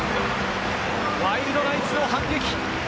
ワイルドナイツ反撃。